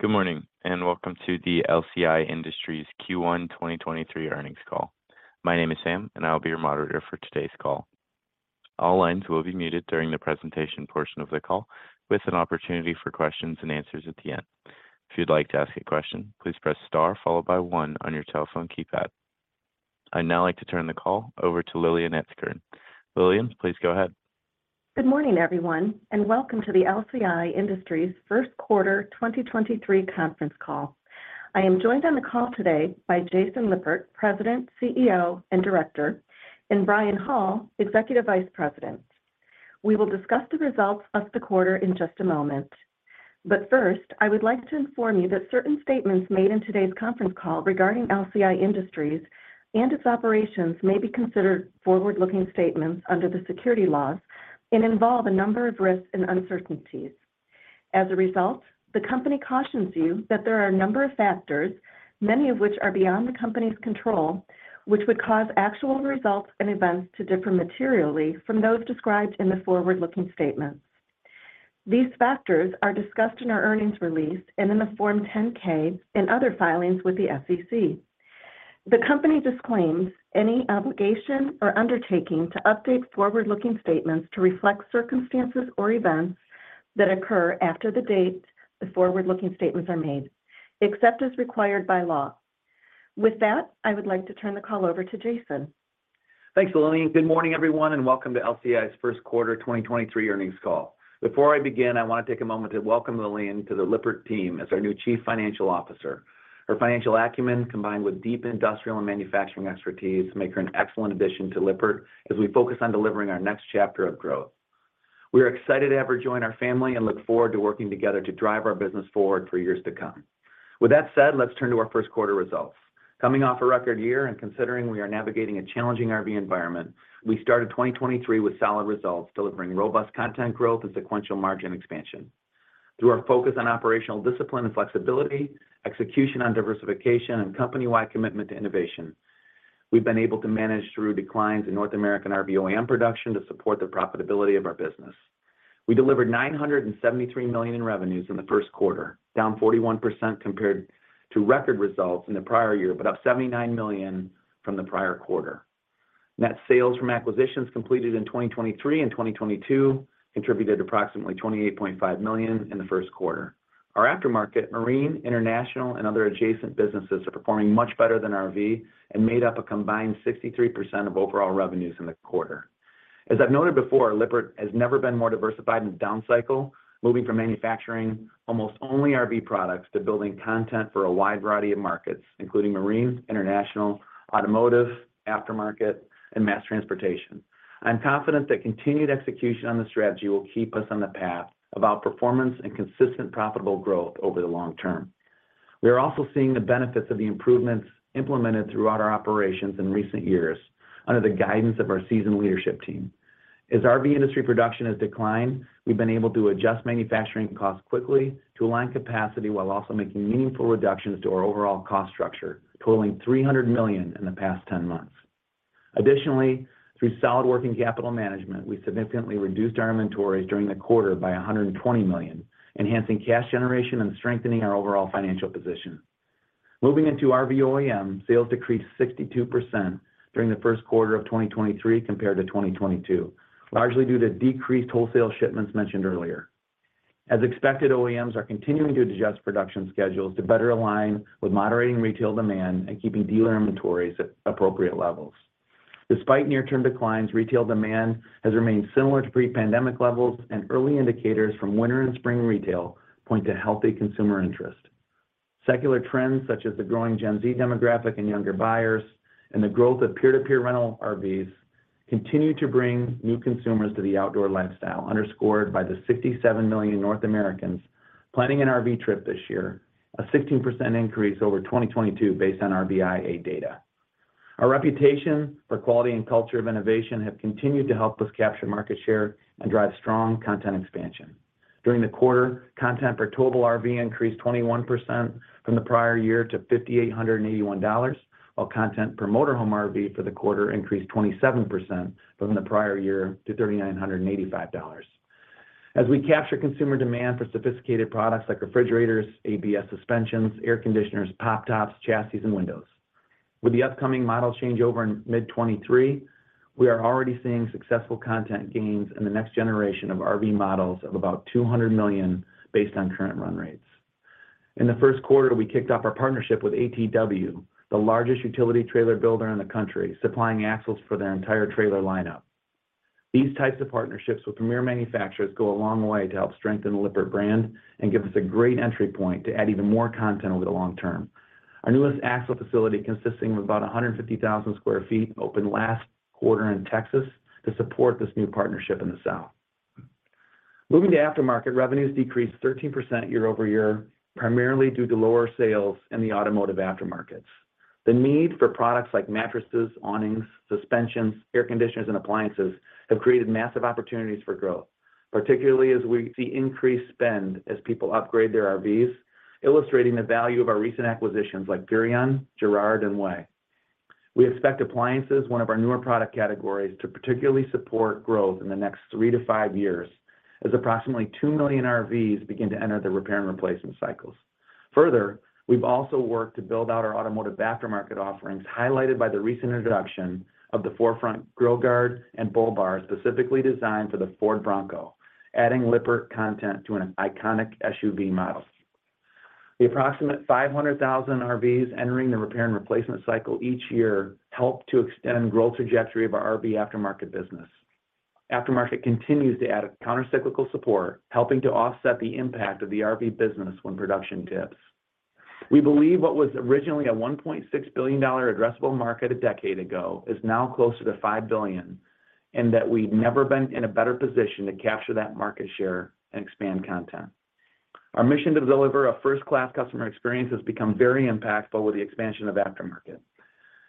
Good morning. Welcome to the LCI Industries Q1 2023 Earnings Call. My name is Sam. I'll be your moderator for today's call. All lines will be muted during the presentation portion of the call with an opportunity for questions and answers a the end. If you'd like to ask a question, please press star followed by one on your telephone keypad. I'd now like to turn the call over to Lillian Etzkorn. Lillian, please go ahead. Good morning, everyone, welcome to the LCI Industries First Quarter 2023 Conference Call. I am joined on the call today by Jason Lippert, President, CEO, and Director, and Brian Hall, Executive Vice President. We will discuss the results of the quarter in just a moment. First, I would like to inform you that certain statements made in today's conference call regarding LCI Industries and its operations may be considered forward-looking statements under the security laws and involve a number of risks and uncertainties. As a result, the company cautions you that there are a number of factors, many of which are beyond the company's control, which would cause actual results and events to differ materially from those described in the forward-looking statements. These factors are discussed in our earnings release and in the Form 10-K and other filings with the SEC. The company disclaims any obligation or undertaking to update forward-looking statements to reflect circumstances or events that occur after the date the forward-looking statements are made, except as required by law. With that, I would like to turn the call over to Jason. Thanks, Lillian. Good morning, everyone, and welcome to LCI's first quarter 2023 earnings call. Before I begin, I wanna take a moment to welcome Lillian to the Lippert team as our new Chief Financial Officer. Her financial acumen, combined with deep industrial and manufacturing expertise, make her an excellent addition to Lippert as we focus on delivering our next chapter of growth. We are excited to have her join our family and look forward to working together to drive our business forward for years to come. With that said, let's turn to our 1st quarter results. Coming off a record year and considering we are navigating a challenging RV environment, we started 2023 with solid results, delivering robust content growth and sequential margin expansion. Through our focus on operational discipline and flexibility, execution on diversification and company-wide commitment to innovation, we've been able to manage through declines in North American RV OEM production to support the profitability of our business. We delivered $973 million in revenues in the first quarter, down 41% compared to record results in the prior year, but up $79 million from the prior quarter. Net sales from acquisitions completed in 2023 and 2022 contributed approximately $28.5 million in the first quarter. Our Aftermarket, Marine, International and other adjacent businesses are performing much better than RV and made up a combined 63% of overall revenues in the quarter. As I've noted before, Lippert has never been more diversified in the down cycle, moving from manufacturing almost only RV products to building content for a wide variety of markets, including Marine, International, Automotive, Aftermarket, and Mass transportation. I'm confident that continued execution on the strategy will keep us on the path of outperformance and consistent profitable growth over the long term. We are also seeing the benefits of the improvements implemented throughout our operations in recent years under the guidance of our seasoned leadership team. As RV industry production has declined, we've been able to adjust manufacturing costs quickly to align capacity while also making meaningful reductions to our overall cost structure, totaling $300 million in the past 10 months. Additionally, through solid working capital management, we significantly reduced our inventories during the quarter by $120 million, enhancing cash generation and strengthening our overall financial position. Moving into RV OEM, sales decreased 62% during the first quarter of 2023 compared to 2022, largely due to decreased wholesale shipments mentioned earlier. As expected, OEMs are continuing to adjust production schedules to better align with moderating retail demand and keeping dealer inventories at appropriate levels. Despite near-term declines, retail demand has remained similar to pre-pandemic levels, and early indicators from winter and spring retail point to healthy consumer interest. Secular trends such as the growing Gen Z demographic in younger buyers and the growth of peer-to-peer rental RVs continue to bring new consumers to the outdoor lifestyle, underscored by the 67 million North Americans planning an RV trip this year, a 16% increase over 2022 based on RVIA data. Our reputation for quality and culture of innovation have continued to help us capture market share and drive strong content expansion. During the quarter, content per towable RV increased 21% from the prior year to $5,881, while content per motorhome RV for the quarter increased 27% from the prior year to $3,985. As we capture consumer demand for sophisticated products like refrigerators, ABS suspensions, air conditioners, pop tops, chassis, and windows. With the upcoming model changeover in mid-2023, we are already seeing successful content gains in the next generation of RV models of about $200 million based on current run rates. In the first quarter, we kicked off our partnership with ATW, the largest utility trailer builder in the country, supplying axles for their entire trailer lineup. These types of partnerships with premier manufacturers go a long way to help strengthen the Lippert brand and give us a great entry point to add even more content over the long term. Our newest axle facility, consisting of about 150,000 sq ft, opened last quarter in Texas to support this new partnership in the South. Moving to Aftermarket, revenues decreased 13% year-over-year, primarily due to lower sales in the automotive Aftermarkets. The need for products like mattresses, awnings, suspensions, air conditioners, and appliances have created massive opportunities for growth, particularly as we see increased spend as people upgrade their RVs, illustrating the value of our recent acquisitions like Furrion, Girard, and Way. We expect appliances, one of our newer product categories, to particularly support growth in the next three to five years as approximately two million RVs begin to enter the repair and replacement cycles. We've also worked to build out our automotive Aftermarket offerings, highlighted by the recent introduction of the ForeFront grille guard and bull bar, specifically designed for the Ford Bronco, adding Lippert content to an iconic SUV model. The approximate 500,000 RVs entering the repair and replacement cycle each year help to extend growth trajectory of our RV Aftermarket business. Aftermarket continues to add a countercyclical support, helping to offset the impact of the RV business when production dips. We believe what was originally a $1.6 billion addressable market a decade ago is now closer to $5 billion. That we've never been in a better position to capture that market share and expand content. Our mission to deliver a first-class customer experience has become very impactful with the expansion of Aftermarket.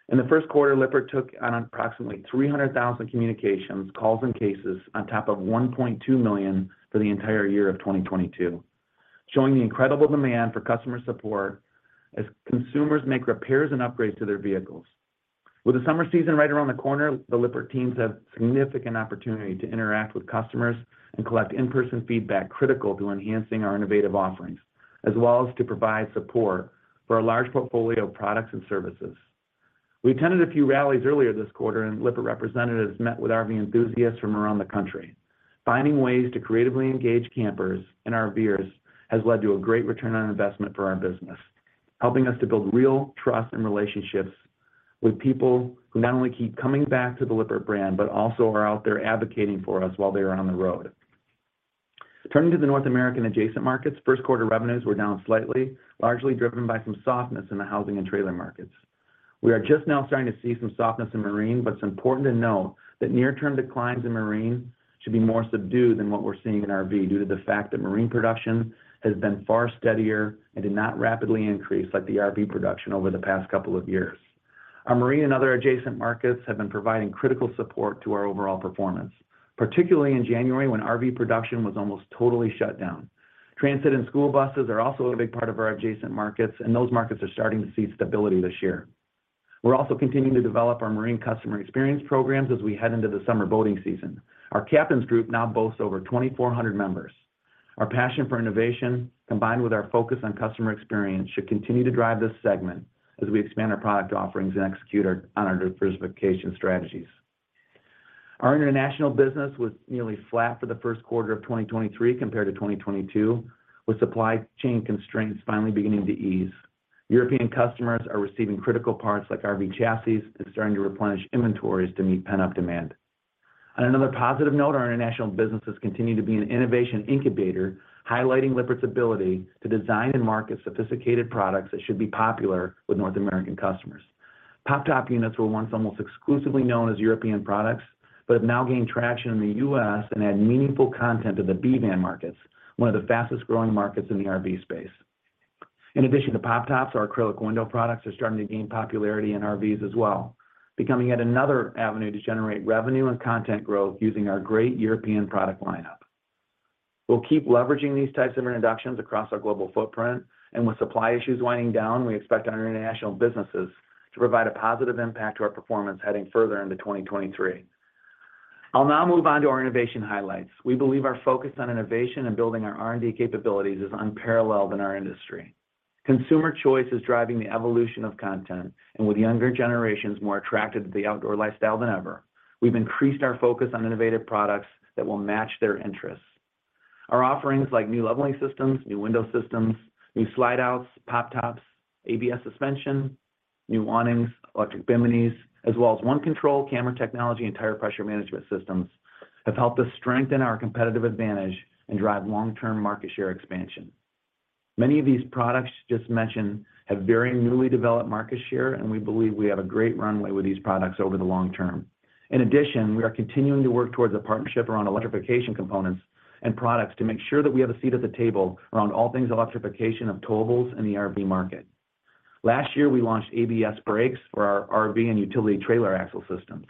In the first quarter, Lippert took on approximately 300,000 communications, calls, and cases on top of $1.2 million for the entire year of 2022, showing the incredible demand for customer support as consumers make repairs and upgrades to their vehicles. With the summer season right around the corner, the Lippert teams have significant opportunity to interact with customers and collect in-person feedback critical to enhancing our innovative offerings, as well as to provide support for our large portfolio of products and services. We attended a few rallies earlier this quarter, and Lippert representatives met with RV enthusiasts from around the country. Finding ways to creatively engage campers and RVers has led to a great return on investment for our business, helping us to build real trust and relationships with people who not only keep coming back to the Lippert brand, but also are out there advocating for us while they are on the road. Turning to the North American adjacent markets, first quarter revenues were down slightly, largely driven by some softness in the housing and trailer markets. We are just now starting to see some softness in Marine, but it's important to note that near-term declines in Marine should be more subdued than what we're seeing in RV due to the fact that Marine production has been far steadier and did not rapidly increase like the RV production over the past couple of years. Our Marine and other adjacent markets have been providing critical support to our overall performance, particularly in January when RV production was almost totally shut down. Transit and school buses are also a big part of our adjacent markets, and those markets are starting to see stability this year. We're also continuing to develop our Marine customer experience programs as we head into the summer boating season. Our captain's group now boasts over 2,400 members. Our passion for innovation, combined with our focus on customer experience, should continue to drive this segment as we expand our product offerings and execute on our diversification strategies. Our international business was nearly flat for the first quarter of 2023 compared to 2022, with supply chain constraints finally beginning to ease. European customers are receiving critical parts like RV chassis and starting to replenish inventories to meet pent-up demand. On another positive note, our international businesses continue to be an innovation incubator, highlighting Lippert's ability to design and market sophisticated products that should be popular with North American customers. Pop top units were once almost exclusively known as European products, but have now gained traction in the U.S. and add meaningful content to the B van markets, one of the fastest-growing markets in the RV space. In addition to pop top, our acrylic window products are starting to gain popularity in RVs as well, becoming yet another avenue to generate revenue and content growth using our great European product lineup. We'll keep leveraging these types of introductions across our global footprint, and with supply issues winding down, we expect our international businesses to provide a positive impact to our performance heading further into 2023. I'll now move on to our innovation highlights. We believe our focus on innovation and building our R&D capabilities is unparalleled in our industry. Consumer choice is driving the evolution of content, and with younger generations more attracted to the outdoor lifestyle than ever, we've increased our focus on innovative products that will match their interests. Our offerings like new leveling systems, new window systems, new slide-outs, pop top, ABS, new awnings, electric biminis, as well as OneControl camera technology and tire pressure management systems, have helped us strengthen our competitive advantage and drive long-term market share expansion. Many of these products just mentioned have very newly developed market share, and we believe we have a great runway with these products over the long term. In addition, we are continuing to work towards a partnership around electrification components and products to make sure that we have a seat at the table around all things electrification of towables in the RV market. Last year, we launched ABS for our RV and utility trailer axle systems,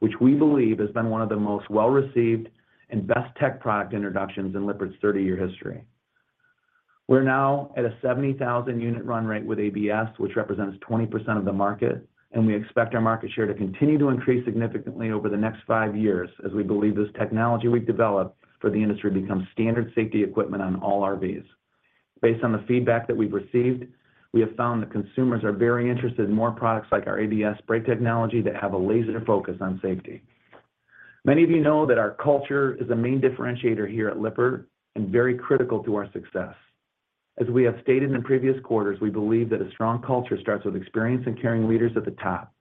which we believe has been one of the most well-received and best tech product introductions in Lippert's 30-year history. We are now at a 70,000 unit run rate with ABS, which represents 20% of the market, and we expect our market share to continue to increase significantly over the next 5 years as we believe this technology we've developed for the industry becomes standard safety equipment on all RVs. Based on the feedback that we've received, we have found that consumers are very interested in more products like our ABS brake technology that have a laser focus on safety. Many of you know that our culture is a main differentiator here at Lippert and very critical to our success. As we have stated in previous quarters, we believe that a strong culture starts with experienced and caring leaders at the top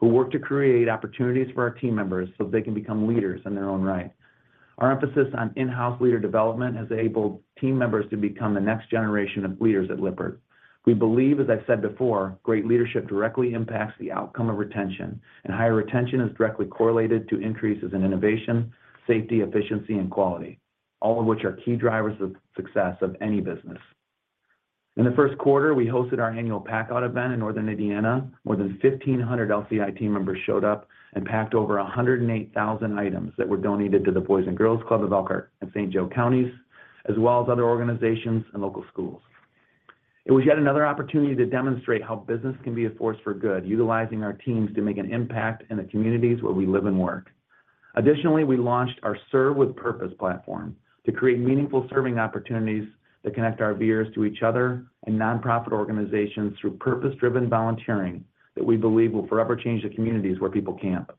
who work to create opportunities for our team members so they can become leaders in their own right. Our emphasis on in-house leader development has enabled team members to become the next generation of leaders at Lippert. We believe, as I've said before, great leadership directly impacts the outcome of retention, and higher retention is directly correlated to increases in innovation, safety, efficiency, and quality, all of which are key drivers of success of any business. In the 1st quarter, we hosted our annual Packout event in Northern Indiana. More than 1,500 LCI team members showed up and packed over 108,000 items that were donated to the Boys and Girls Club of Elkhart and St. Joe counties, as well as other organizations and local schools. It was yet another opportunity to demonstrate how business can be a force for good, utilizing our teams to make an impact in the communities where we live and work. We launched our Serve with Purpose platform to create meaningful serving opportunities that connect our viewers to each other and nonprofit organizations through purpose-driven volunteering that we believe will forever change the communities where people camp.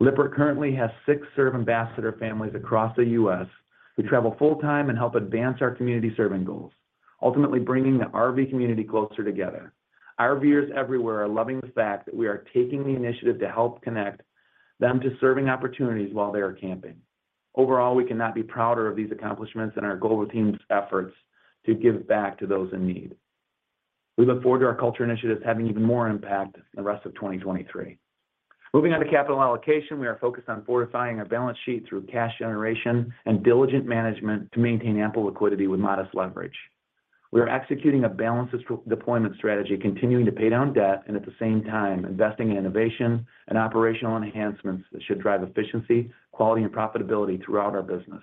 Lippert currently has six Serve Ambassador families across the U.S. who travel full-time and help advance our community serving goals, ultimately bringing the RV community closer together. Our viewers everywhere are loving the fact that we are taking the initiative to help connect them to serving opportunities while they are camping. We cannot be prouder of these accomplishments and our global team's efforts to give back to those in need. We look forward to our culture initiatives having even more impact in the rest of 2023. Moving on to capital allocation, we are focused on fortifying our balance sheet through cash generation and diligent management to maintain ample liquidity with modest leverage. We are executing a balanced deployment strategy, continuing to pay down debt at the same time investing in innovation and operational enhancements that should drive efficiency, quality, and profitability throughout our business.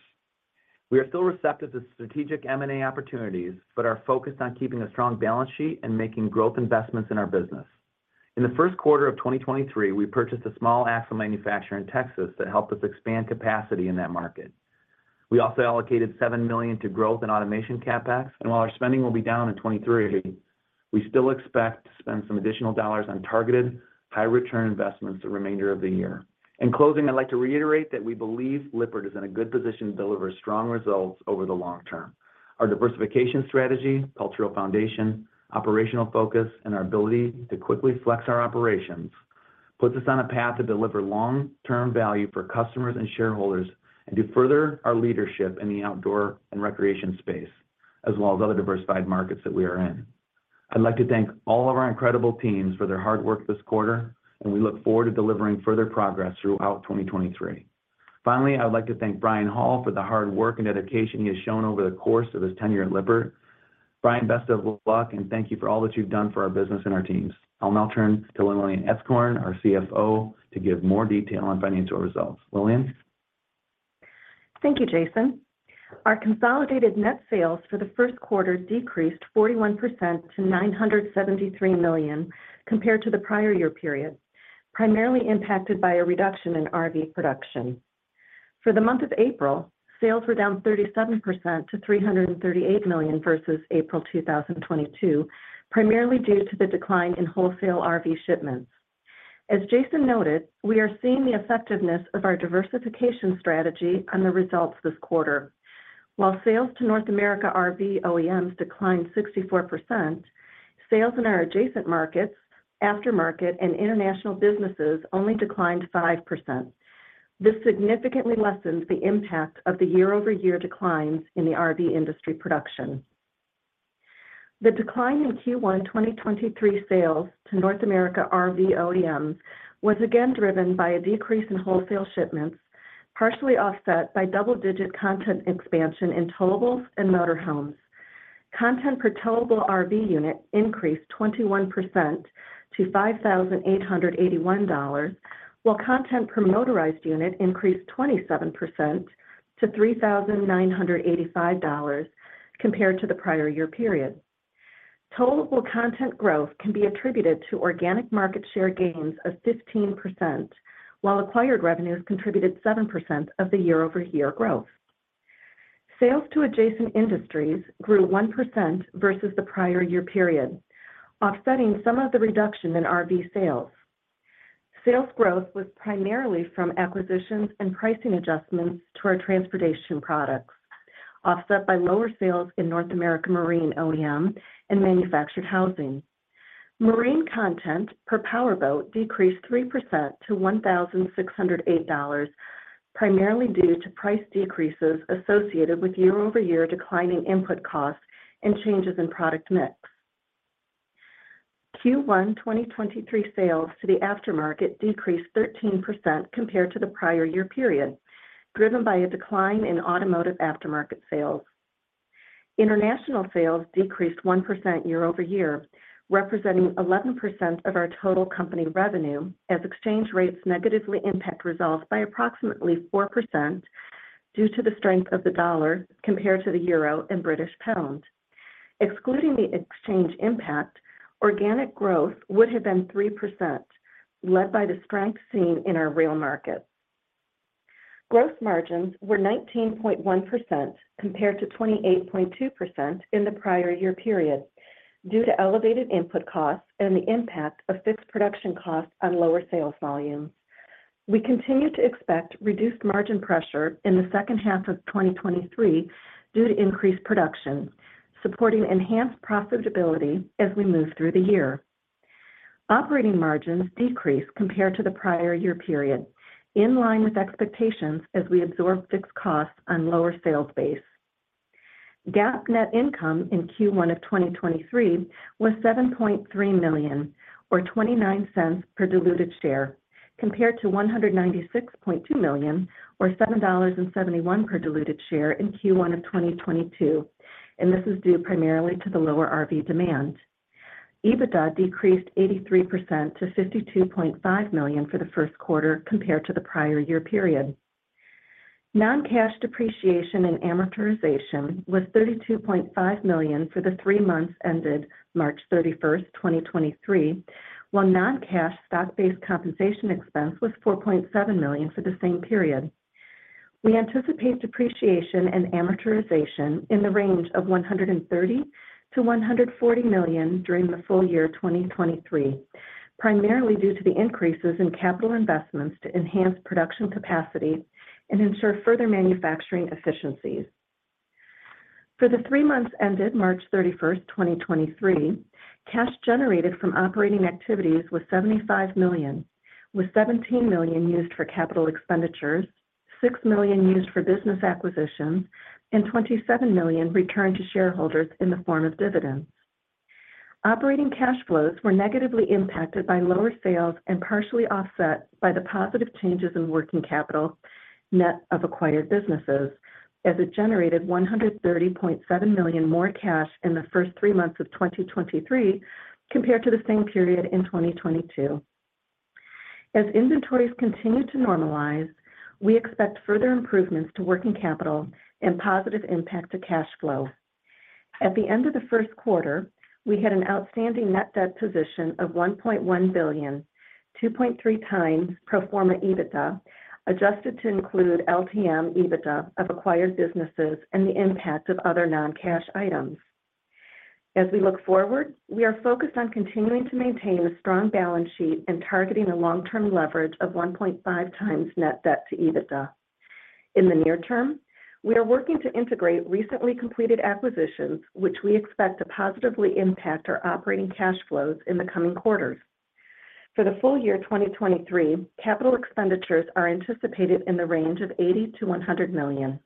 We are still receptive to strategic M&A opportunities, are focused on keeping a strong balance sheet and making growth investments in our business. In the first quarter of 2023, we purchased a small axle manufacturer in Texas that helped us expand capacity in that market. We also allocated $7 million to growth and automation CapEx, while our spending will be down in 2023, we still expect to spend some additional dollars on targeted high-return investments the remainder of the year. In closing, I'd like to reiterate that we believe Lippert is in a good position to deliver strong results over the long term. Our diversification strategy, cultural foundation, operational focus, and our ability to quickly flex our operations puts us on a path to deliver long-term value for customers and shareholders and to further our leadership in the outdoor and recreation space, as well as other diversified markets that we are in. I'd like to thank all of our incredible teams for their hard work this quarter, and we look forward to delivering further progress throughout 2023. Finally, I would like to thank Brian Hall for the hard work and dedication he has shown over the course of his tenure at Lippert. Brian, best of luck, and thank you for all that you've done for our business and our teams. I'll now turn to Lillian Etzkorn, our CFO, to give more detail on financial results. Lillian? Thank you, Jason. Our consolidated net sales for the first quarter decreased 41% to $973 million compared to the prior year period, primarily impacted by a reduction in RV production. For the month of April, sales were down 37% to $338 million versus April 2022, primarily due to the decline in wholesale RV shipments. As Jason noted, we are seeing the effectiveness of our diversification strategy on the results this quarter. While sales to North America RV OEMs declined 64%, sales in our adjacent markets, Aftermarket, and international businesses only declined 5%. This significantly lessens the impact of the year-over-year declines in the RV industry production. The decline in Q1 2023 sales to North America RV OEMs was again driven by a decrease in wholesale shipments, partially offset by double-digit content expansion in towables and motorhomes. Content per towable RV increased 21% to $5,881, while content per motorhome RV increased 27% to $3,985 compared to the prior year period. Towable content growth can be attributed to organic market share gains of 15%, while acquired revenues contributed 7% of the year-over-year growth. Sales to adjacent industries grew 1% versus the prior year period, offsetting some of the reduction in RV sales. Sales growth was primarily from acquisitions and pricing adjustments to our transportation products, offset by lower sales in North America Marine OEM and manufactured housing. Content per powerboat decreased 3% to $1,608, primarily due to price decreases associated with year-over-year declining input costs and changes in product mix. Q1 2023 sales to the Aftermarket decreased 13% compared to the prior year period, driven by a decline in automotive Aftermarket sales. International sales decreased 1% year-over-year, representing 11% of our total company revenue as exchange rates negatively impact results by approximately 4% due to the strength of the dollar compared to the euro and British pound. Excluding the exchange impact, organic growth would have been 3%, led by the strength seen in our rail market. Gross margins were 19.1% compared to 28.2% in the prior year period due to elevated input costs and the impact of fixed production costs on lower sales volumes. We continue to expect reduced margin pressure in the second half of 2023 due to increased production, supporting enhanced profitability as we move through the year. Operating margins decreased compared to the prior year period, in line with expectations as we absorb fixed costs on lower sales base. GAAP net income in Q1 of 2023 was $7.3 million, or $0.29 per diluted share, compared to $196.2 million, or $7.71 per diluted share in Q1 of 2022. This is due primarily to the lower RV demand. EBITDA decreased 83% to $52.5 million for the first quarter compared to the prior year period. Noncash depreciation and amortization was $32.5 million for the three months ended March 31st, 2023, while noncash stock-based compensation expense was $4.7 million for the same period. We anticipate depreciation and amortization in the range of $130 million-$140 million during the full year 2023, primarily due to the increases in capital investments to enhance production capacity and ensure further manufacturing efficiencies. For the three months ended March 31, 2023, cash generated from operating activities was $75 million, with $17 million used for capital expenditures, $6 million used for business acquisitions, and $27 million returned to shareholders in the form of dividends. Operating cash flows were negatively impacted by lower sales and partially offset by the positive changes in working capital net of acquired businesses as it generated $130.7 million more cash in the first three months of 2023 compared to the same period in 2022. As inventories continue to normalize, we expect further improvements to working capital and positive impact to cash flow. At the end of the first quarter, we had an outstanding net debt position of $1.1 billion, 2.3x pro forma EBITDA, adjusted to include LTM EBITDA of acquired businesses and the impact of other non-cash items. We look forward, we are focused on continuing to maintain a strong balance sheet and targeting a long-term leverage of 1.5x net debt to EBITDA. In the near term, we are working to integrate recently completed acquisitions, which we expect to positively impact our operating cash flows in the coming quarters. For the full year 2023, CapEx are anticipated in the range of $80 million-$100 million.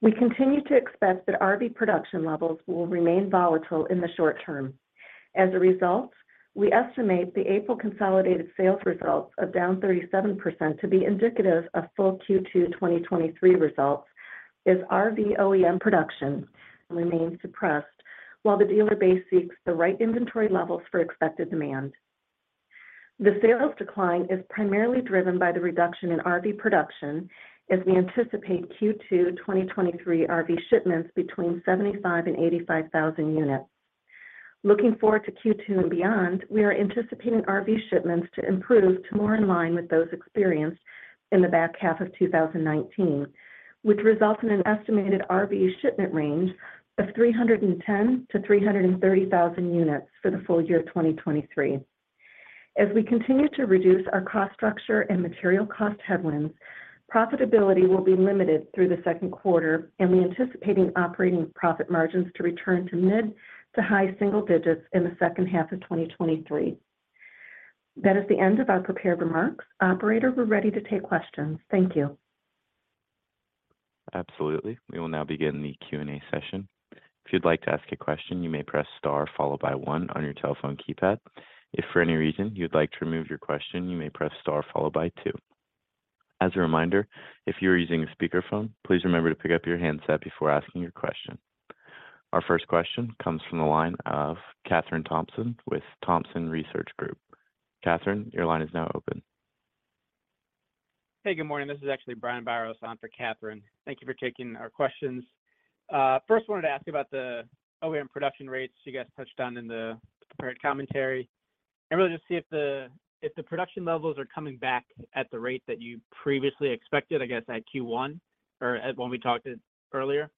We continue to expect that RV production levels will remain volatile in the short term. We estimate the April consolidated sales results of down 37% to be indicative of full Q2 2023 results as RV OEM production remains suppressed while the dealer base seeks the right inventory levels for expected demand. The sales decline is primarily driven by the reduction in RV production as we anticipate Q2 2023 RV shipments between 75,000 and 85,000 units. Looking forward to Q2 and beyond, we are anticipating RV shipments to improve to more in line with those experienced in the back half of 2019, which results in an estimated RV shipment range of 310,000-330,000 units for the full year 2023. As we continue to reduce our cost structure and material cost headwinds, profitability will be limited through the second quarter, and we anticipate operating profit margins to return to mid to high single digits in the second half of 2023. That is the end of our prepared remarks. Operator, we're ready to take questions. Thank you. Absolutely. We will now begin the Q&A session. If you'd like to ask a question, you may press star followed by 1 on your telephone keypad. If for any reason you'd like to remove your question, you may press star followed by 2. As a reminder, if you are using a speakerphone, please remember to pick up your handset before asking your question. Our first question comes from the line of Kathryn Thompson with Thompson Research Group. Kathryn, your line is now open. Hey, good morning. This is actually Brian Biros on for Kathryn. Thank you for taking our questions. First wanted to ask you about the OEM production rates you guys touched on in the prepared commentary and really just see if the production levels are coming back at the rate that you previously expected, I guess, at Q1 or at when we talked earlier.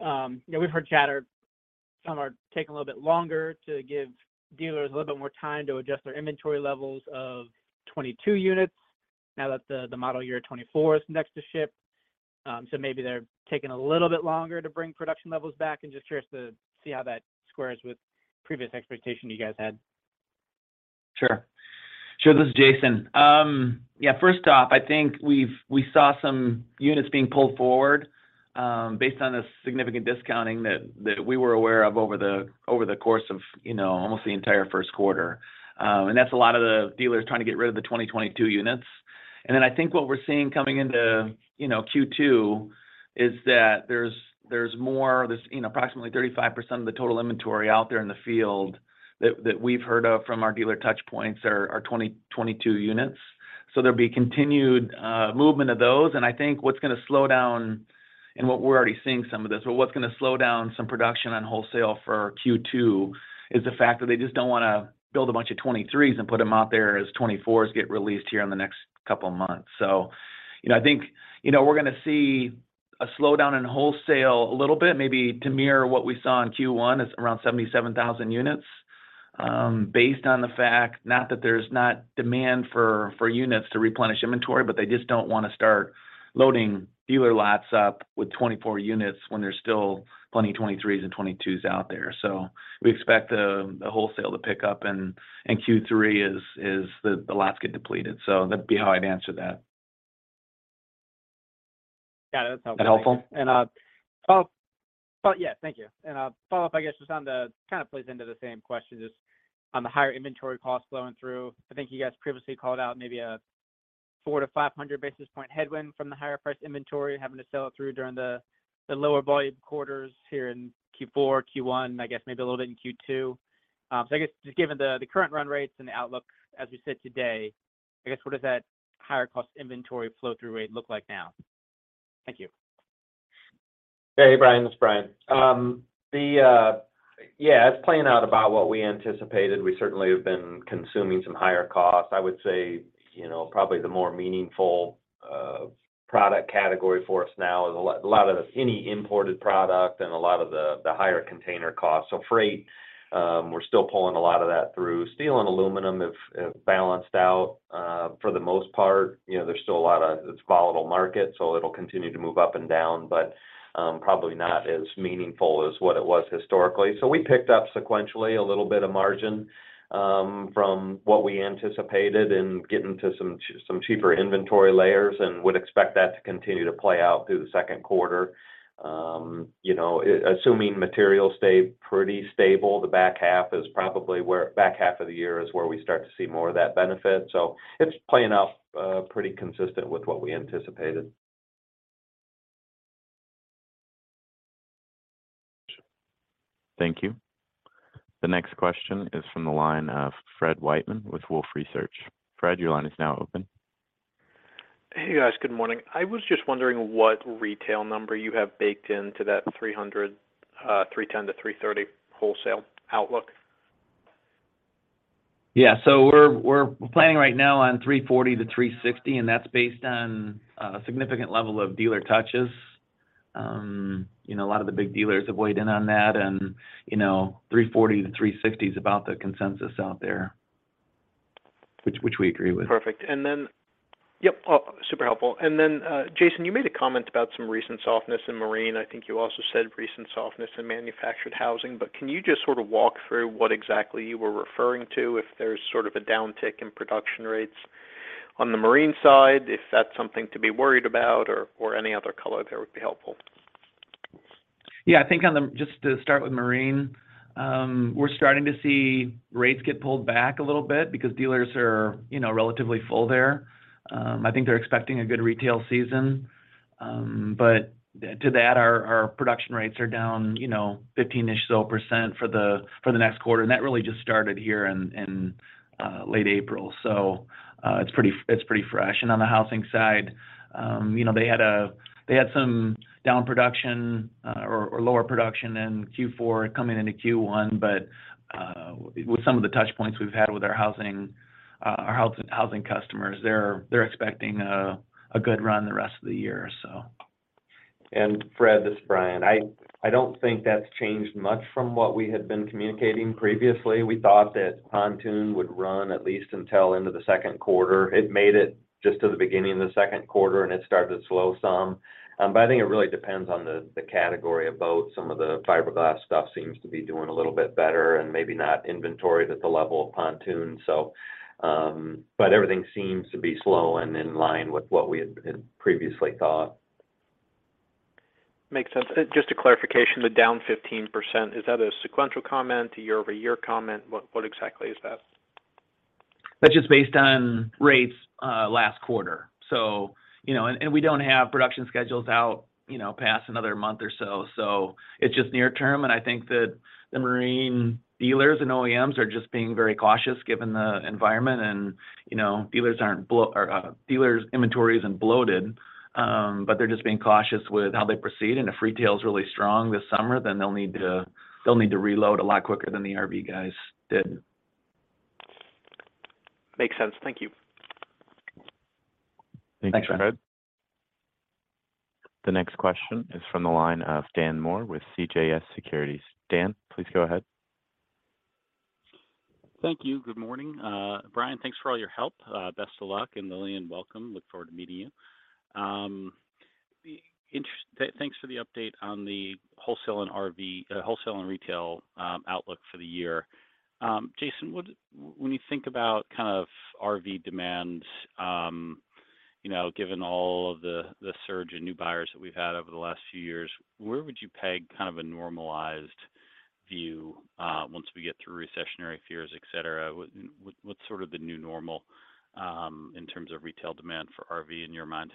You know, we've heard chatter some are taking a little bit longer to give dealers a little bit more time to adjust their inventory levels of 2022 units now that the model year 2024 is next to ship. Maybe they're taking a little bit longer to bring production levels back and just curious to see how that squares with previous expectation you guys had. Sure. Sure. This is Jason. yeah, first off, I think we saw some units being pulled forward, based on the significant discounting that we were aware of over the course of, you know, almost the entire 1st quarter. That's a lot of the dealers trying to get rid of the 2022 units. Then I think what we're seeing coming into, you know, Q2 is that there's more, there's, you know, approximately 35% of the total inventory out there in the field that we've heard of from our dealer touch points are 2022 units. There'll be continued movement of those. I think what's gonna slow down, and what we're already seeing some of this, but what's gonna slow down some production on wholesale for Q2 is the fact that they just don't wanna build a bunch of 2023s and put them out there as 2024s get released here in the next couple of months. you know, I think, you know, we're gonna see a slowdown in wholesale a little bit maybe to mirror what we saw in Q1 is around 77,000 units, based on the fact, not that there's not demand for units to replenish inventory, but they just don't wanna start loading dealer lots up with 2024 units when there's still plenty of 2023s and 2022s out there. We expect the wholesale to pick up in Q3 as the lots get depleted. That'd be how I'd answer that. Got it. That's helpful. That helpful? Thank you. I'll follow up, I guess, just on the, kind of plays into the same question, just on the higher inventory costs flowing through. I think you guys previously called out maybe a 400-500 basis point headwind from the higher priced inventory having to sell it through during the lower volume quarters here in Q4, Q1, I guess maybe a little bit in Q2. I guess just given the current run rates and the outlook as we sit today, I guess what does that higher cost inventory flow through rate look like now? Thank you. Hey, Brian, this is Brian. Yeah, it's playing out about what we anticipated. We certainly have been consuming some higher costs. I would say, you know, probably the more meaningful product category for us now is a lot of any imported product and a lot of the higher container costs. Freight, we're still pulling a lot of that through. Steel and aluminum have balanced out for the most part. You know, there's still a lot of. It's a volatile market, so it'll continue to move up and down, but probably not as meaningful as what it was historically. We picked up sequentially a little bit of margin from what we anticipated in getting to some cheaper inventory layers and would expect that to continue to play out through the second quarter. You know, assuming materials stay pretty stable, the back half of the year is where we start to see more of that benefit. It's playing out, pretty consistent with what we anticipated. Thank you. The next question is from the line of Fred Wightman with Wolfe Research. Fred, your line is now open. Hey, guys. Good morning. I was just wondering what retail number you have baked into that 300, 310-330 wholesale outlook. Yeah. We're planning right now on 340-360, and that's based on a significant level of dealer touches. You know, a lot of the big dealers have weighed in on that and, you know, 340-360 is about the consensus out there, which we agree with. Perfect. Yep. Oh, super helpful. Jason, you made a comment about some recent softness in Marine. I think you also said recent softness in manufactured housing, can you just sort of walk through what exactly you were referring to, if there's sort of a downtick in production rates on the Marine side, if that's something to be worried about or any other color there would be helpful. Yeah, I think on the Just to start with Marine, we're starting to see rates get pulled back a little bit because dealers are, you know, relatively full there. I think they're expecting a good retail season. But to that, our production rates are down, you know, 15-ish% for the, for the next quarter, and that really just started here in late April. It's pretty, it's pretty fresh. On the housing side, you know, they had some down production, or lower production in Q4 coming into Q1. With some of the touch points we've had with our housing, our housing customers, they're expecting a good run the rest of the year, so. Fred Wightman, this is Brian Hall. I don't think that's changed much from what we had been communicating previously. We thought that pontoon would run at least until into the second quarter. It made it just to the beginning of the second quarter and it started to slow some. I think it really depends on the category of boat. Some of the fiberglass stuff seems to be doing a little bit better and maybe not inventory at the level of pontoon. Everything seems to be slow and in line with what we had previously thought. Makes sense. Just a clarification, the down 15%, is that a sequential comment, a year-over-year comment? What, what exactly is that? That's just based on rates, last quarter. You know. We don't have production schedules out, you know, past another month or so it's just near term. I think that the Marine dealers and OEMs are just being very cautious given the environment and, you know, dealers' inventory isn't bloated, but they're just being cautious with how they proceed. If retail is really strong this summer, then they'll need to reload a lot quicker than the RV guys did. Makes sense. Thank you. Thanks, Fred. Thank you, Fred. The next question is from the line of Dan Moore with CJS Securities. Dan, please go ahead. Thank you. Good morning. Brian, thanks for all your help. Best of luck. Lillian, welcome. Look forward to meeting you. Thanks for the update on the wholesale and RV, wholesale and retail, outlook for the year. Jason, when you think about kind of RV demand, you know, given all of the surge in new buyers that we've had over the last few years, where would you peg kind of a normalized view, once we get through recessionary fears, et cetera? What, what's sort of the new normal, in terms of retail demand for RV in your mind?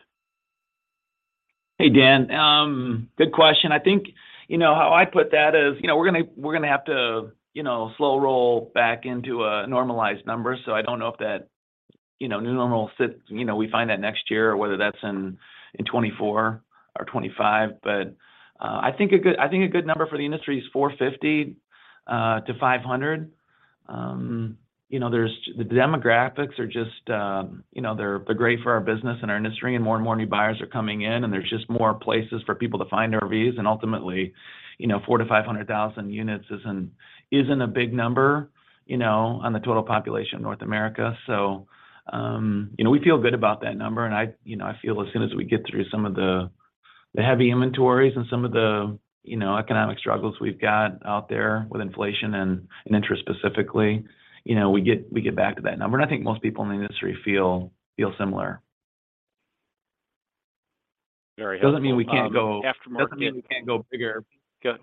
Hey, Dan. Good question. I think, you know, how I'd put that is, you know, we're gonna have to, you know, slow roll back into a normalized number. I don't know if that, you know, new normal sits, you know, we find that next year or whether that's in 2024 or 2025. I think a good number for the industry is 450-500. The demographics are just, you know, they're great for our business and our industry, and more and more new buyers are coming in, and there's just more places for people to find RVs. Ultimately, you know, 400,000-500,000 units isn't a big number, you know, on the total population of North America. You know, we feel good about that number and I, you know, I feel as soon as we get through some of the heavy inventories and some of the, you know, economic struggles we've got out there with inflation and interest specifically, you know, we get, we get back to that number, and I think most people in the industry feel similar. Very helpful. Doesn't mean we can't. Aftermarket- Doesn't mean we can't go bigger. Got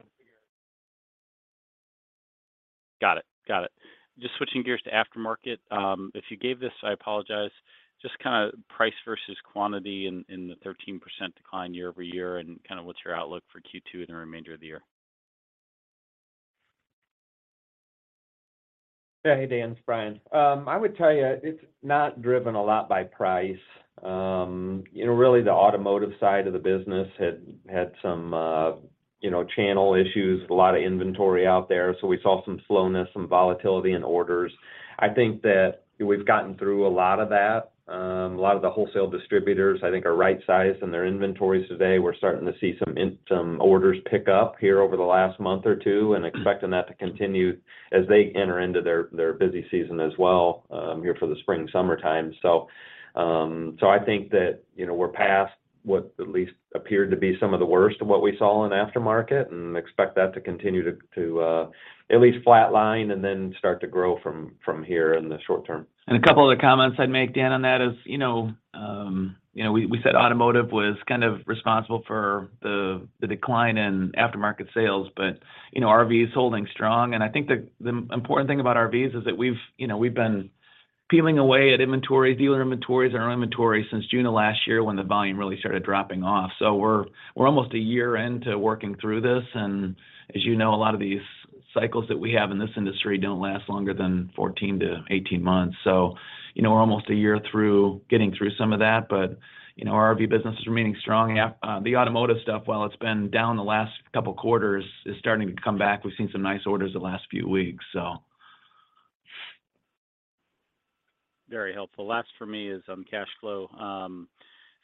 it. Got it. Just switching gears to Aftermarket. If you gave this, I apologize. Just kind of price versus quantity in the 13% decline year-over-year and kind of what's your outlook for Q2 and the remainder of the year? Yeah. Hey Dan, it's Brian. I would tell you it's not driven a lot by price. you know, really the automotive side of the business had some, you know, channel issues, a lot of inventory out there. We saw some slowness and volatility in orders. I think that we've gotten through a lot of that. A lot of the wholesale distributors I think are right-sized in their inventories today. We're starting to see some orders pick up here over the last month or two and expecting that to continue as they enter into their busy season as well, here for the spring, summertime. I think that, you know, we're past what at least appeared to be some of the worst of what we saw in Aftermarket and expect that to continue to at least flatline and then start to grow from here in the short term. A couple other comments I'd make, Dan, on that is, you know, you know, we said automotive was kind of responsible for the decline in Aftermarket sales, but, you know, RV is holding strong. I think the important thing about RVs is that we've, you know, we've been peeling away at inventory, dealer inventories and our inventory since June of last year when the volume really started dropping off. We're, we're almost a year into working through this and as you know, a lot of these cycles that we have in this industry don't last longer than 14-18 months. You know, we're almost a year through getting through some of that. You know, our RV business is remaining strong. The automotive stuff, while it's been down the last couple quarters, is starting to come back. We've seen some nice orders the last few weeks, so. Very helpful. Last for me is on cash flow.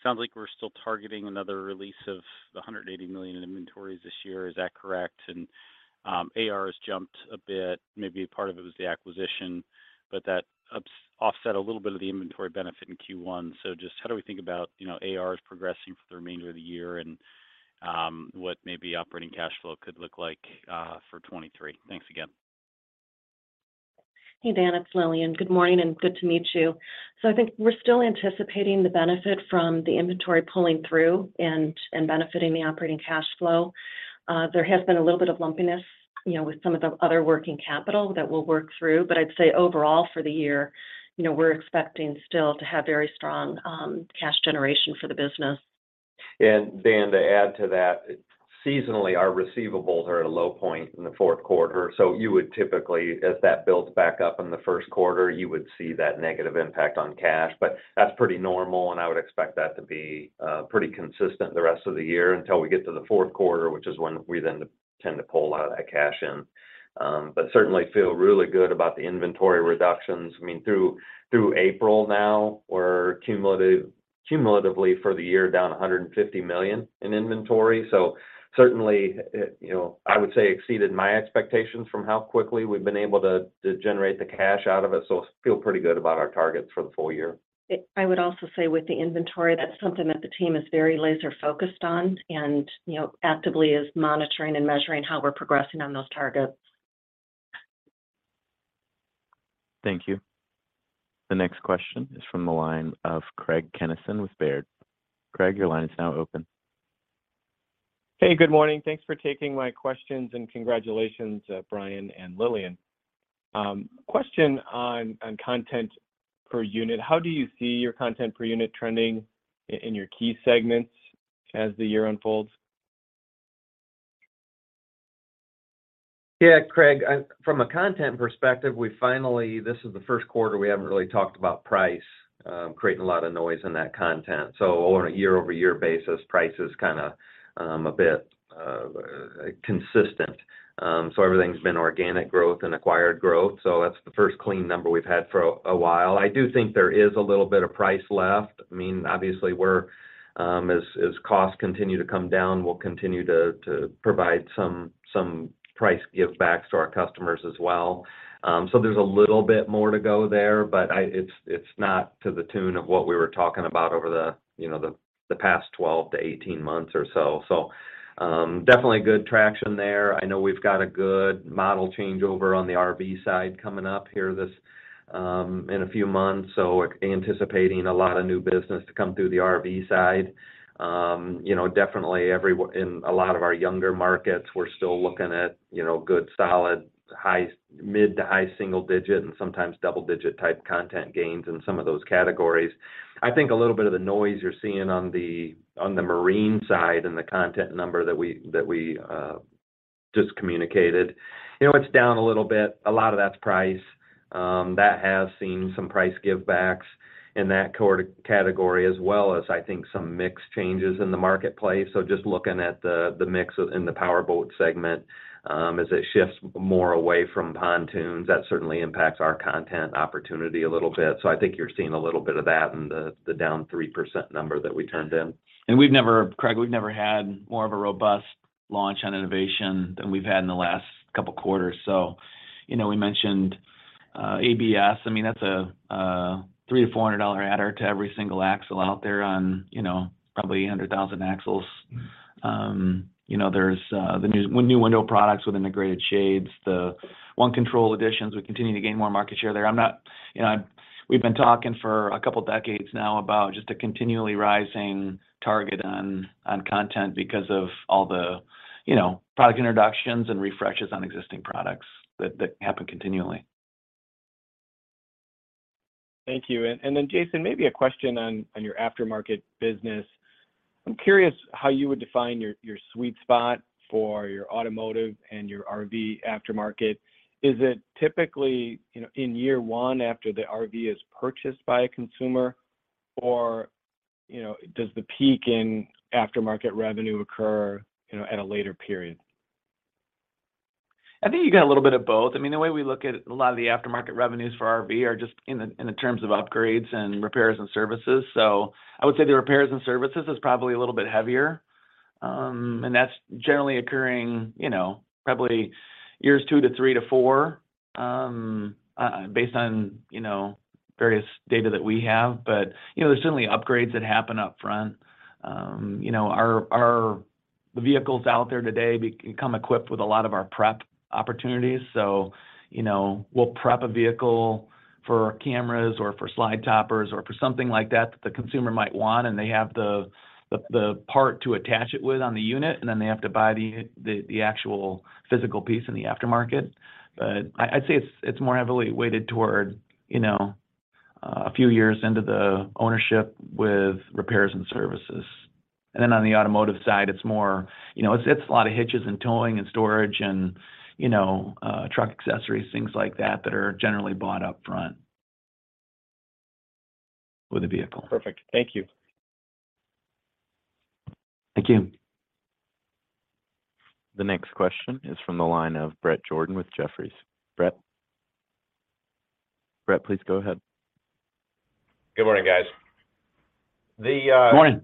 sounds like we're still targeting another release of the $180 million in inventories this year. Is that correct? AR has jumped a bit. Maybe a part of it was the acquisition, but that offset a little bit of the inventory benefit in Q1. Just how do we think about, you know, ARs progressing for the remainder of the year and what maybe operating cash flow could look like for 2023? Thanks again. Hey Dan, it's Lillian. Good morning and good to meet you. I think we're still anticipating the benefit from the inventory pulling through and benefiting the operating cash flow. There has been a little bit of lumpiness, you know, with some of the other working capital that we'll work through, but I'd say overall for the year, you know, we're expecting still to have very strong cash generation for the business. Dan, to add to that, seasonally our receivables are at a low point in the fourth quarter, so you would typically, as that builds back up in the first quarter, you would see that negative impact on cash. That's pretty normal, and I would expect that to be pretty consistent the rest of the year until we get to the fourth quarter, which is when we then tend to pull a lot of that cash in. Certainly feel really good about the inventory reductions. I mean through April now we're cumulatively for the year down $150 million in inventory. Certainly, it, you know, I would say exceeded my expectations from how quickly we've been able to generate the cash out of it. Feel pretty good about our targets for the full year. I would also say with the inventory, that's something that the team is very laser focused on and, you know, actively is monitoring and measuring how we're progressing on those targets. Thank you. The next question is from the line of Craig Kennison with Baird. Craig, your line is now open. Hey, good morning. Thanks for taking my questions and congratulations, Brian and Lillian. Question on content per unit. How do you see your content per unit trending in your key segments as the year unfolds? Craig, I-- from a content perspective, we finally, this is the first quarter we haven't really talked about price, creating a lot of noise in that content. On a year-over-year basis, price is kind of a bit consistent. Everything's been organic growth and acquired growth. That's the first clean number we've had for a while. I do think there is a little bit of price left. I mean, obviously we're as costs continue to come down, we'll continue to provide some price give backs to our customers as well. There's a little bit more to go there, but I, it's not to the tune of what we were talking about over the, you know, the past 12-18 months or so. Definitely good traction there. I know we've got a good model changeover on the RV side coming up here this in a few months. Anticipating a lot of new business to come through the RV side. you know, definitely in a lot of our younger markets we're still looking at, you know, good solid, high, mid to high single digit and sometimes double digit type content gains in some of those categories. I think a little bit of the noise you're seeing on the Marine side and the content number that we just communicated, you know, it's down a little bit. A lot of that's price. That has seen some price give backs in that category as well as I think some mix changes in the marketplace. Just looking at the mix of in the power boat segment, as it shifts more away from pontoons, that certainly impacts our content opportunity a little bit. I think you're seeing a little bit of that in the down 3% number that we turned in. We've never, Craig, we've never had more of a robust launch on innovation than we've had in the last couple quarters. You know, we mentioned ABS, I mean that's a $300-$400 adder to every single axle out there on, you know, probably 100,000 axles. You know, there's the new window products with integrated shades. The OneControl additions, we continue to gain more market share there. You know, we've been talking for a couple decades now about just a continually rising target on content because of all the, you know, product introductions and refreshes on existing products that happen continually. Thank you. Jason, maybe a question on your Aftermarket business. I'm curious how you would define your sweet spot for your automotive and your RV Aftermarket. Is it typically, you know, in year 1 after the RV is purchased by a consumer? You know, does the peak in Aftermarket revenue occur, you know, at a later period? I think you get a little bit of both. I mean, the way we look at a lot of the Aftermarket revenues for RV are just in the, in the terms of upgrades and repairs and services. I would say the repairs and services is probably a little bit heavier. And that's generally occurring, you know, probably years two to three to four, based on, you know, various data that we have. You know, there's certainly upgrades that happen up front. You know, our the vehicles out there today come equipped with a lot of our prep opportunities, so, you know, we'll prep a vehicle for cameras or for slide toppers or for something like that the consumer might want, and they have the part to attach it with on the unit, and then they have to buy the actual physical piece in the Aftermarket. I'd say it's more heavily weighted toward, you know, a few years into the ownership with repairs and services. Then on the automotive side, it's more, you know, it's a lot of hitches and towing and storage and, you know, truck accessories, things like that are generally bought up front with the vehicle. Perfect. Thank you. Thank you. The next question is from the line of. Bret? Bret, please go ahead. Good morning, guys. Morning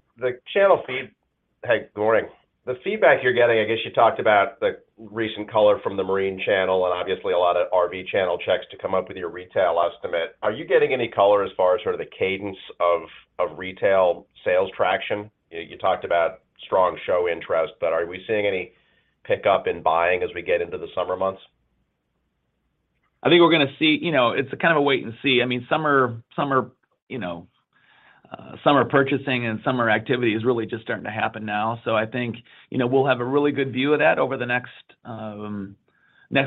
Hey, good morning. The feedback you're getting, I guess you talked about the recent color from the Marine channel, obviously a lot of RV channel checks to come up with your retail estimate. Are you getting any color as far as sort of the cadence of retail sales traction? You talked about strong show interest, are we seeing any pickup in buying as we get into the summer months? I think we're gonna see, you know, it's a kind of a wait and see. I mean, summer, you know, summer purchasing and summer activity is really just starting to happen now. I think, you know, we'll have a really good view of that over the next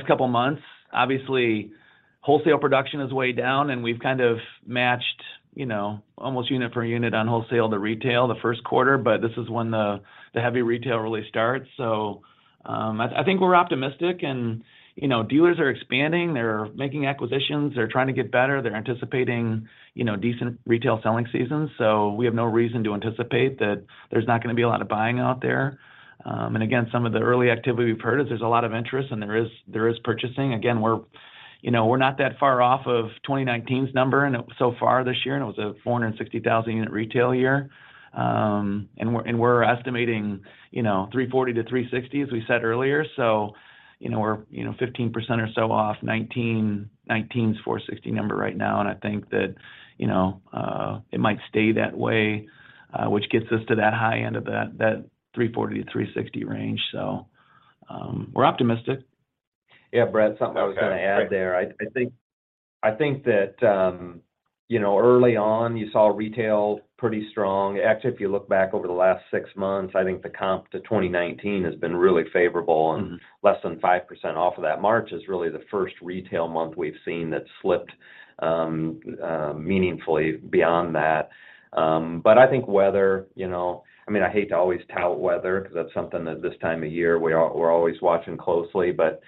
couple months. Obviously, wholesale production is way down, and we've kind of matched, you know, almost unit per unit on wholesale to retail the first quarter. This is when the heavy retail really starts. I think we're optimistic and, you know, dealers are expanding. They're making acquisitions. They're trying to get better. They're anticipating, you know, decent retail selling seasons. We have no reason to anticipate that there's not gonna be a lot of buying out there. Again, some of the early activity we've heard is there's a lot of interest and there is purchasing. Again, we're, you know, we're not that far off of 2019's number and so far this year, and it was a 460,000 unit retail year. We're estimating, you know, 340-360, as we said earlier. You know, we're 15% or so off 2019's 460 number right now. I think that, you know, it might stay that way, which gets us to that high end of that 340-360 range. We're optimistic. Yeah. Bret, something I was gonna add there. I think that, you know, early on, you saw retail pretty strong. Actually, if you look back over the last six months, I think the comp to 2019 has been really favorable... Mm-hmm... and less than 5% off of that. March is really the first retail month we've seen that slipped meaningfully beyond that. I think weather, you know, I mean, I hate to always tout weather because that's something that this time of year we're always watching closely. But,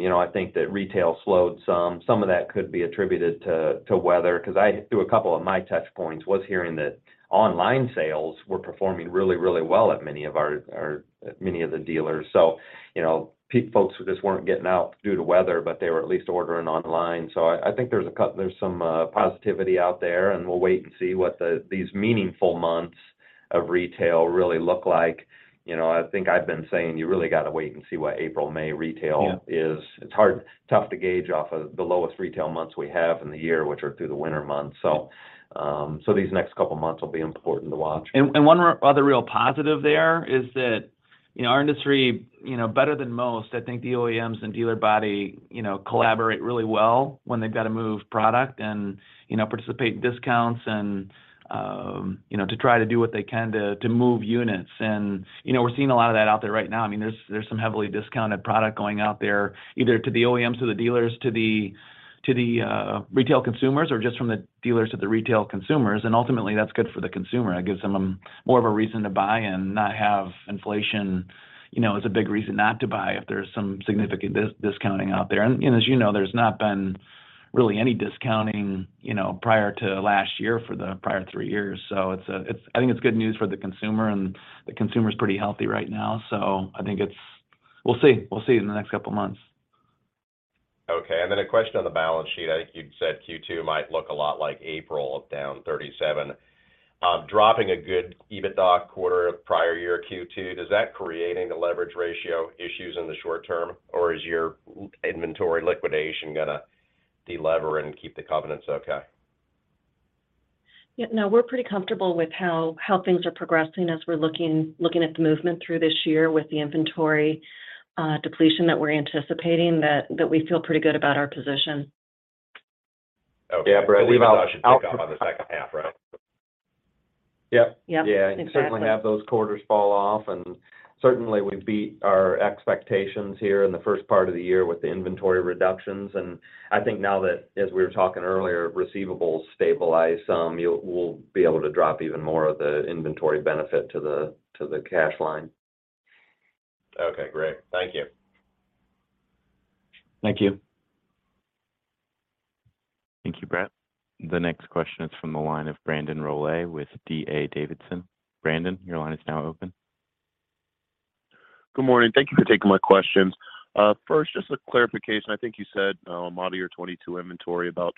you know, I think that retail slowed some. Some of that could be attributed to weather because I, through a couple of my touch points, was hearing that online sales were performing really, really well at many of our, many of the dealers. You know, folks just weren't getting out due to weather, but they were at least ordering online. I think there's some positivity out there, and we'll wait and see what the, these meaningful months of retail really look like. You know, I think I've been saying you really got to wait and see what April, May retail is. Yeah. It's hard, tough to gauge off of the lowest retail months we have in the year, which are through the winter months. These next couple months will be important to watch. One other real positive there is that, you know, our industry, you know, better than most, I think the OEMs and dealer body, you know, collaborate really well when they've got to move product and, you know, participate in discounts and, you know, to try to do what they can to move units. We're seeing a lot of that out there right now. I mean, there's some heavily discounted product going out there, either to the OEMs, to the dealers, to the retail consumers or just from the dealers to the retail consumers. Ultimately, that's good for the consumer. It gives them more of a reason to buy and not have inflation, you know, as a big reason not to buy if there's some significant discounting out there. As you know, there's not been really any discounting, you know, prior to last year for the prior 3 years. It's a, I think it's good news for the consumer, and the consumer is pretty healthy right now. I think it's, we'll see. We'll see in the next couple of months. Okay. A question on the balance sheet. I think you'd said Q2 might look a lot like April of down 37%. Dropping a good EBITDA quarter of prior year Q2, does that create any leverage ratio issues in the short term, or is your inventory liquidation gonna de-lever and keep the covenants okay? Yeah, no, we're pretty comfortable with how things are progressing as we're looking at the movement through this year with the inventory depletion that we're anticipating that we feel pretty good about our position. Okay. Yeah, Bret. We thought it should pick up on the second half, right? Yep. Yep. Yeah. Exactly. Certainly have those quarters fall off, and certainly we beat our expectations here in the first part of the year with the inventory reductions. I think now that, as we were talking earlier, receivables stabilize some, we'll be able to drop even more of the inventory benefit to the, to the cash line. Okay, great. Thank you. Thank you. Thank you, Bret. The next question is from the line of Brandon Rollé with D.A. Davidson. Brandon, your line is now open. Good morning. Thank you for taking my questions. First, just a clarification. I think you said, model year '22 inventory, about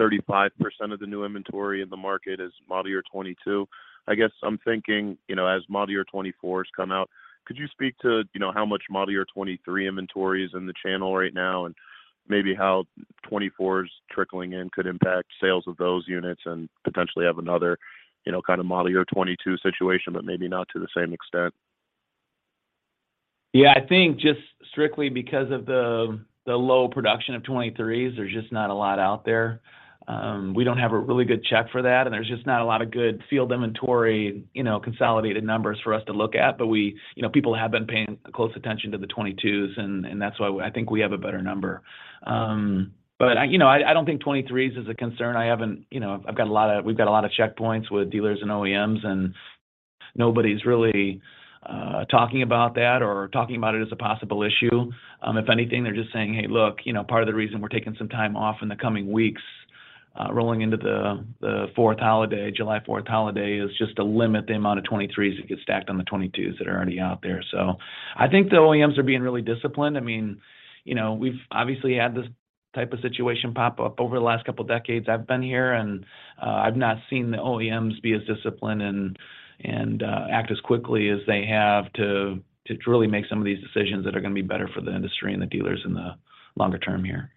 35% of the new inventory in the market is model year '22. I guess I'm thinking, you know, as model year '24s come out, could you speak to, you know, how much model year '23 inventory is in the channel right now, and maybe how '24s trickling in could impact sales of those units and potentially have another, you know, kind of model year '22 situation, but maybe not to the same extent? Yeah. I think just strictly because of the low production of '23s, there's just not a lot out there. We don't have a really good check for that, and there's just not a lot of good field inventory, you know, consolidated numbers for us to look at. You know, people have been paying close attention to the '22s, and that's why I think we have a better number. But I, you know, I don't think '23s is a concern. You know, we've got a lot of checkpoints with dealers and OEMs, and nobody's really talking about that or talking about it as a possible issue. If anything, they're just saying, "Hey, look, you know, part of the reason we're taking some time off in the coming weeks, rolling into the Fourth holiday, July Fourth holiday, is just to limit the amount of '23s that get stacked on the '22s that are already out there." I think the OEMs are being really disciplined. I mean, you know, we've obviously had this type of situation pop up over the last couple decades I've been here, and I've not seen the OEMs be as disciplined and act as quickly as they have to truly make some of these decisions that are gonna be better for the industry and the dealers in the longer term here.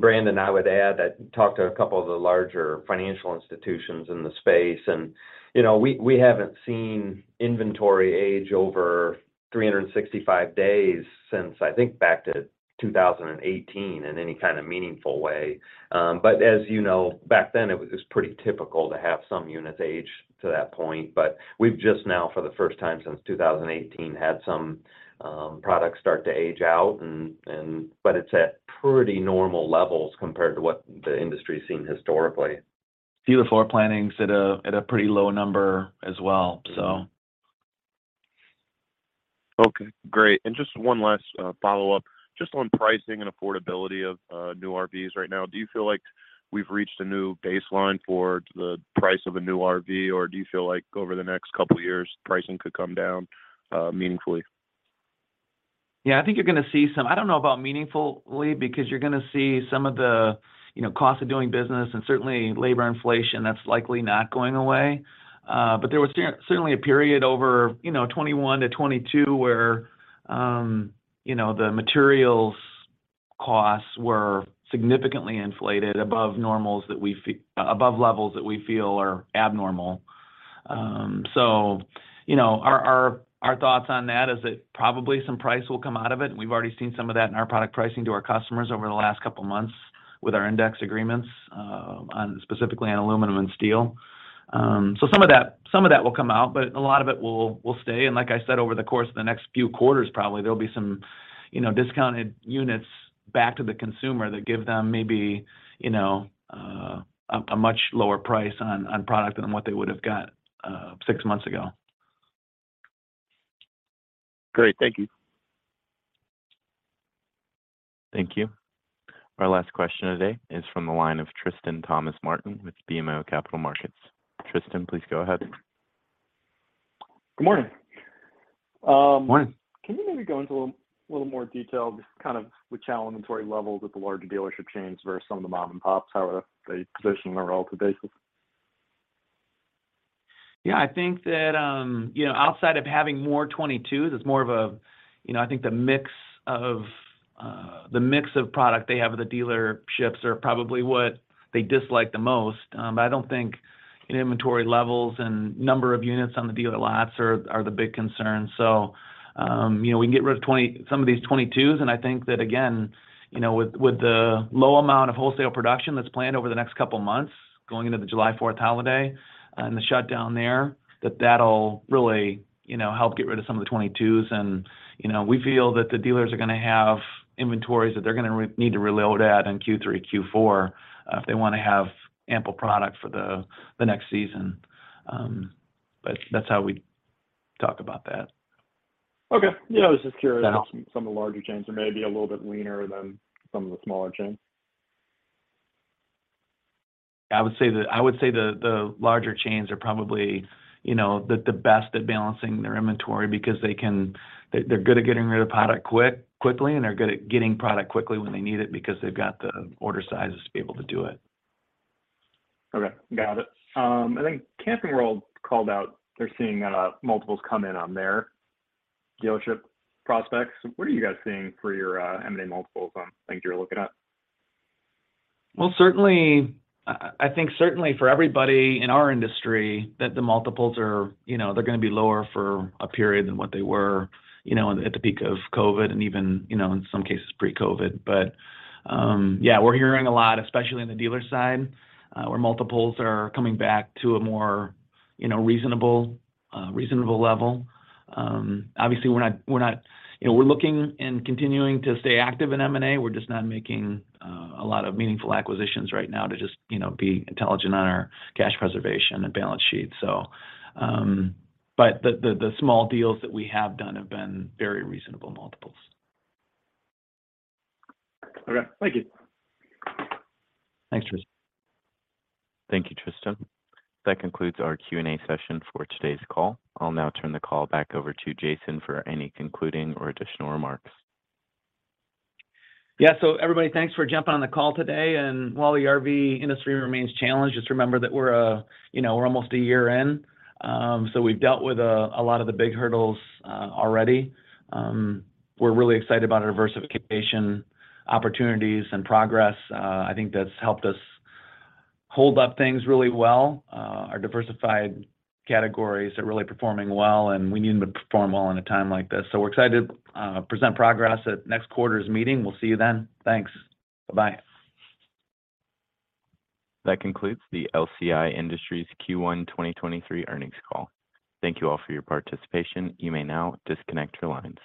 Brandon, I would add, I talked to a couple of the larger financial institutions in the space and, you know, we haven't seen inventory age over 365 days since, I think, back to 2018 in any kind of meaningful way. As you know, back then it was pretty typical to have some units age to that point. We've just now, for the first time since 2018, had some products start to age out. It's at pretty normal levels compared to what the industry's seen historically. Dealer floor planning's at a pretty low number as well, so. Okay, great. Just 1 last follow-up just on pricing and affordability of new RVs right now. Do you feel like we've reached a new baseline for the price of a new RV, or do you feel like over the next 2 years pricing could come down meaningfully? I think you're gonna see some. I don't know about meaningfully, because you're gonna see some of the, you know, cost of doing business and certainly labor inflation that's likely not going away. There was certainly a period over, you know, 2021 to 2022 where, you know, the materials costs were significantly inflated above normals that we above levels that we feel are abnormal. You know, our thoughts on that is that probably some price will come out of it, and we've already seen some of that in our product pricing to our customers over the last couple months with our index agreements on specifically on aluminum and steel. Some of that will come out, but a lot of it will stay. Like I said, over the course of the next few quarters probably, there'll be some, you know, discounted units back to the consumer that give them maybe, you know, a much lower price on product than what they would have got, six months ago. Great. Thank you. Thank you. Our last question today is from the line of Tristan Thomas-Martin with BMO Capital Markets. Tristan, please go ahead. Good morning. Morning. Can you maybe go into a little more detail just kind of inventory levels at the larger dealership chains versus some of the mom and pops, how they position on a relative basis? Yeah, I think that, you know, outside of having more 2022s, it's more of a, you know, I think the mix of product they have at the dealerships are probably what they dislike the most. I don't think inventory levels and number of units on the dealer lots are the big concern. You know, we can get rid of some of these 2022s, and I think that, again, you know, with the low amount of wholesale production that's planned over the next couple months going into the July Fourth holiday and the shutdown there, that'll really, you know, help get rid of some of the 2022s. You know, we feel that the dealers are gonna have inventories that they're gonna need to reload at in Q3, Q4 if they wanna have ample product for the next season. That's how we talk about that. Okay. Yeah, I was just curious if some of the larger chains are maybe a little bit leaner than some of the smaller chains. I would say the larger chains are probably, you know, the best at balancing their inventory because they can. They're good at getting rid of product quickly and they're good at getting product quickly when they need it because they've got the order sizes to be able to do it. Got it. I think Camping World called out they're seeing multiples come in on their dealership prospects. What are you guys seeing for your M&A multiples on things you're looking at? Well, certainly, I think certainly for everybody in our industry that the multiples are, you know, they're gonna be lower for a period than what they were, you know, at the peak of COVID and even, you know, in some cases pre-COVID. Yeah, we're hearing a lot, especially on the dealer side, where multiples are coming back to a more, you know, reasonable level. Obviously, we're not. You know, we're looking and continuing to stay active in M&A. We're just not making a lot of meaningful acquisitions right now to just, you know, be intelligent on our cash preservation and balance sheet. But the small deals that we have done have been very reasonable multiples. Okay. Thank you. Thanks, Tristan. Thank you, Tristan. That concludes our Q&A session for today's call. I'll now turn the call back over to Jason for any concluding or additional remarks. Everybody, thanks for jumping on the call today. While the RV industry remains challenged, just remember that we're, you know, we're almost a year in, we've dealt with a lot of the big hurdles already. We're really excited about our diversification opportunities and progress. I think that's helped us hold up things really well. Our diversified categories are really performing well, we need them to perform well in a time like this. We're excited to present progress at next quarter's meeting. We'll see you then. Thanks. Bye-bye. That concludes the LCI Industries Q1 2023 earnings call. Thank you all for your participation. You may now disconnect your lines.